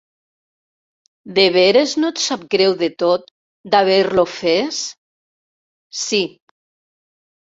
—De veres no et sap greu de tot d’haver-lo ofès? —Sí.